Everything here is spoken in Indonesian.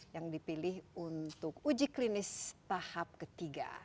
yang dipilih untuk uji klinis tahap ketiga